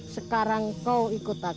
sekarang kau ikut aku